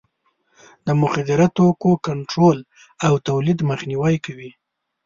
د مخدره توکو کنټرول او تولید مخنیوی کوي.